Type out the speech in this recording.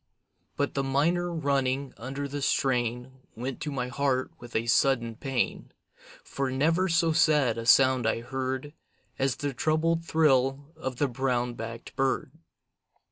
But the minor running under the strain Went to my heart with a sudden pain, For never so sad a sound I heard As the troubled thrill of the brown backed bird.